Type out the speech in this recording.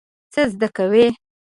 څه زده کوئ؟